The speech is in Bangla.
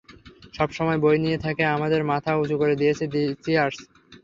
সবসময়ই বই নিয়ে থাকে আমাদের মাথা উঁচু করে দিয়েছে -চিয়ার্স!